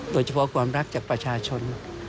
โดยเฉพาะความรักจากประชาชน